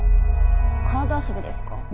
カード遊びですか？